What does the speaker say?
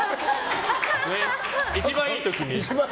一番いい時に。